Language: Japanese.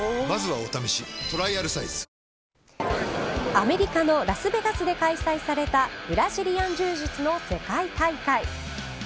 アメリカのラスベガスで開催されたブラジリアン柔術の世界大会。